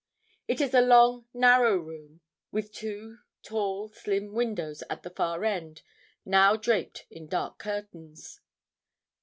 It is a long, narrow room, with two tall, slim windows at the far end, now draped in dark curtains.